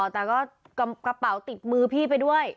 แต่ก็กระเป๋าติดมือพี่ไปด้วย